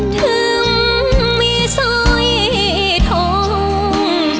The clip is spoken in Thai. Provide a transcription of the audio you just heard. ถึงมีสร้อยทอง